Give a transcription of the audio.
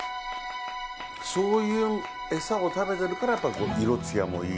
そういう餌を食べてるからやっぱこう色艶もいい。